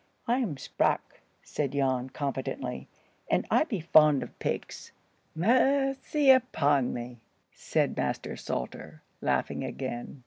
"I'm sprack," said Jan, confidently. "And I be fond of pigs." "Massey upon me," said Master Salter, laughing again.